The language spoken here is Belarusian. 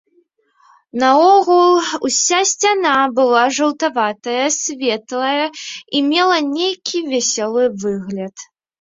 Наогул уся сцяна была жаўтаватая, светлая і мела нейкі вясёлы выгляд.